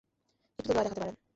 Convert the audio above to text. একটু তো দয়া দেখাতে পারতেন।